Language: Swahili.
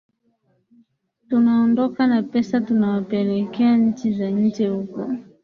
tunaondoka na pesa tunawapelekea nchi za nje huko